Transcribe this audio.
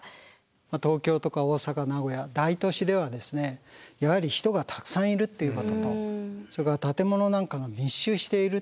東京とか大阪名古屋大都市ではやはり人がたくさんいるっていうこととそれから建物なんかが密集している。